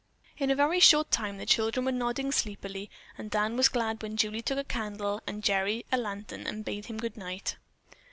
In a very short time the children were nodding sleepily and Dan was glad when Julie took a candle and Gerry a lantern and bade him good night.